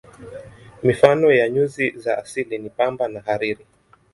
Mifano ya nyuzi za asili ni pamba na hariri.